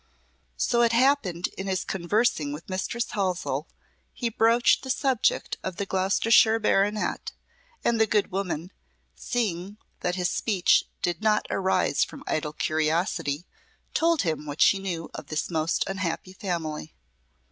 So it happened in his conversing with Mistress Halsell he broached the subject of the Gloucestershire baronet, and the good woman, seeing that his speech did not arise from idle curiosity, told him what she knew of this most unhappy family.